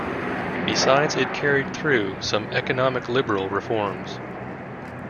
Besides it carried through some economic liberal reforms.